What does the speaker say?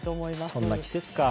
そんな季節か。